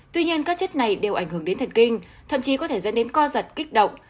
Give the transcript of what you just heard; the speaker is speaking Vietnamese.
tuy nhiên các chất này đều ảnh hưởng đến thần kinh thậm chí có thể dẫn đến co giật kích động